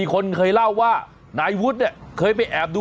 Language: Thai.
เบิร์ตลมเสียโอ้โห